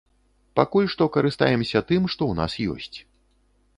Пакуль што карыстаемся тым, што ў нас ёсць.